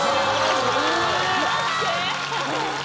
待って。